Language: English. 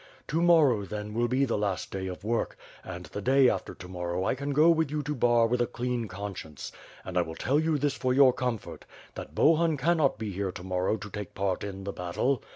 To morrow, then, will be the last day of work; and the day after to morrow I can go with you to Bar with a clean conscience, and I will tell you this for your comfort, that Bohun cannot be here to morrow to take part in the battle.